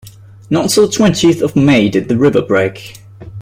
Not till the twentieth of May did the river break.